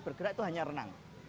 bergerak itu hanya renang